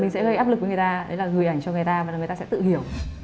cái áp lực của người ta đấy là gửi ảnh cho người ta và người ta sẽ tự hiểu